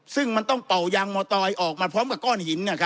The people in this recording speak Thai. ซึ่งมันต้องเป่ายางมอตอยออกมาพร้อมกับก้อนหิน